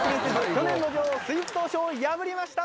去年の女王スイープトウショウを破りました